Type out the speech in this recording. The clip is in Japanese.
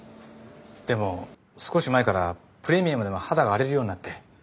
でも少し前からプレミアムでも肌が荒れるようになって。